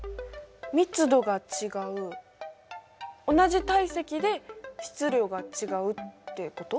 密度が違う同じ体積で質量が違うってこと？